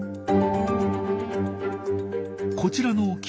こちらの木の下。